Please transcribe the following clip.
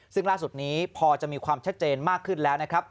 ซึ่งล่าสุดนี้พอจะมีความชัดเจนมากขึ้นแล้วนะครับ